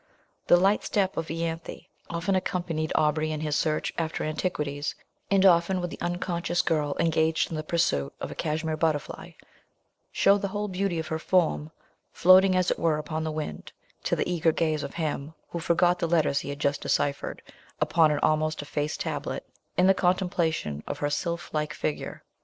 The light step of Ianthe often accompanied Aubrey in his search after antiquities, and often would the unconscious girl, engaged in the pursuit of a Kashmere butterfly, show the whole beauty of her form, floating as it were upon the wind, to the eager gaze of him, who forgot the letters he had just decyphered upon an almost effaced tablet, in the contemplation of her sylph like figure.